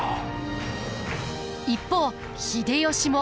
一方秀吉も。